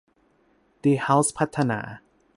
ดีเฮ้าส์พัฒนา